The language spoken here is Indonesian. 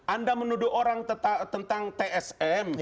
anda menuduh orang tentang tsm